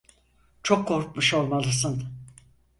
Çok korkmuş olmalısın.